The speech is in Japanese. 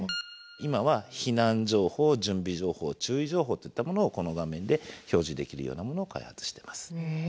今は避難情報準備情報注意情報といったものをこの画面で表示できるようなものを開発してます。